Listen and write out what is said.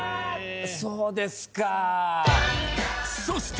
そうですか。